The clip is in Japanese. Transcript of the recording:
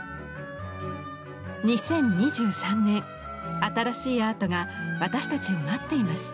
２０２３年新しいアートが私たちを待っています。